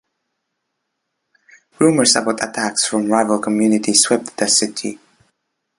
Rumours about attacks from rival community swept the city.